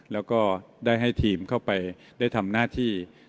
แล้วก็ได้ให้ทีมเข้าไปได้ทำหน้าที่